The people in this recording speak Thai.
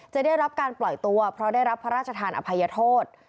ได้รับการปล่อยตัวเพราะได้รับพระราชทานอภัยโทษ